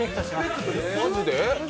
マジで？